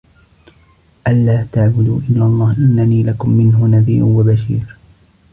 ألا تعبدوا إلا الله إنني لكم منه نذير وبشير